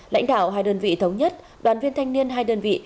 lãnh đạo hai đơn vị thống nhất đoàn viên thanh niên hai đơn vị